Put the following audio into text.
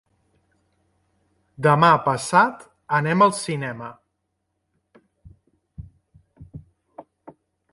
Demà passat anem al cinema.